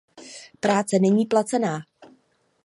Práce není placená.